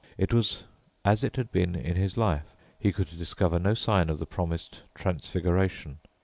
It was as it had been in his life. He could discover no sign of the promised transfiguration.